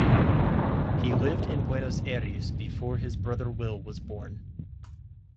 He lived in Buenos Aires before his brother Will was born.